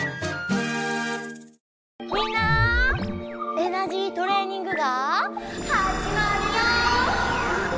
エナジートレーニングがはじまるよ！